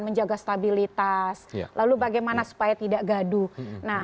menjaga stabilitas lalu bagaimana supaya tidak gaduh